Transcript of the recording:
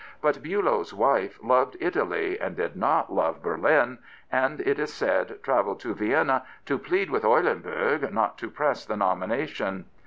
But Billow's wife loved Italy and did not love Berlin, and, it is said, travelled to Vienna to plead with Eulenburg not to press the nomination.